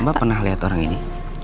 mbak pernah lihat orang ini